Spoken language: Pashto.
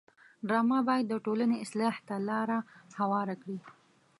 ډرامه باید د ټولنې اصلاح ته لاره هواره کړي